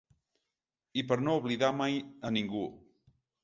I per no oblidar mai a ningú.